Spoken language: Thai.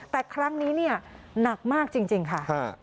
แต่ครั้งนี้เนี่ยหนักมากจริงค่ะ